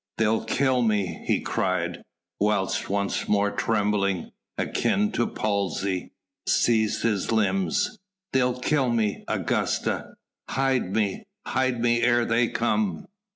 "They'll kill me," he cried, whilst once more trembling akin to palsy seized his limbs. "They'll kill me, Augusta ... hide me, hide me ere they come."